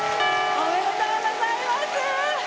おめでとうございます。